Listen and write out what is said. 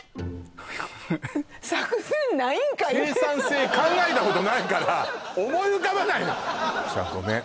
生産性考えたことないから思い浮かばないの奥さんごめん